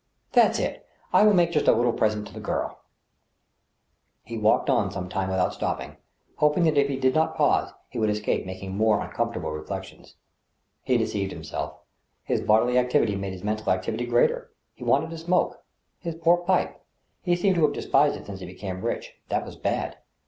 That's it I I will make just a little present to the child." He walked on some time without stopping, hoping that if he did not pause he would escape making more uncomfortable reflections. He deceived himself ; his bodily activity made his mental activity greater. He wanted to smoke. His poor pipe! He seemed to have despised it since he became rich. That was bad.